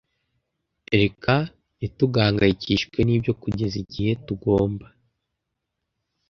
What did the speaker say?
Reka ntitugahangayikishwe nibyo kugeza igihe tugomba.